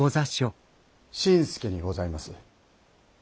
新典侍にございます。